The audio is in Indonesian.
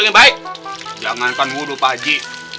hei jangankan wudhu pak ji